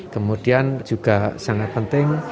kemudian juga sangat penting